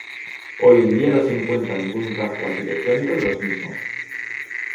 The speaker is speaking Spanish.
Hoy en día no se encuentra ningún rastro arquitectónico de los mismos.